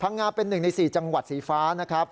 พังงาเป็นหนึ่งใน๔จังหวัดสีฟ้านะครับ